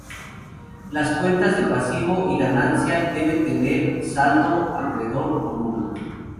Las cuentas de Pasivo y Ganancia deben tener saldo acreedor o nulo.